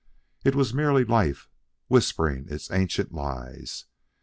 It was merely Life, whispering its ancient lies.